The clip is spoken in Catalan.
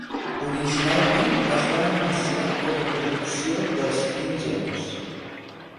Originalment es va anunciar com a producció de Screen Gems.